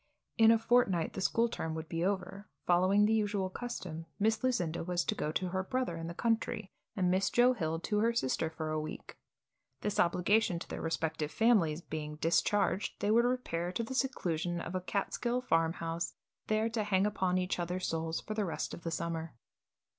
In a fortnight the school term would be over. Following the usual custom, Miss Lucinda was to go to her brother in the country and Miss Joe Hill to her sister for a week. This obligation to their respective families being discharged, they would repair to the seclusion of a Catskill farmhouse, there to hang upon each other's souls for the rest of the summer.